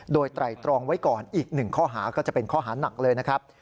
โดยไตรตรองไว้ก่อนอีกหนึ่งข้อหาก็จะเป็นข้อหานักเลยนะครับ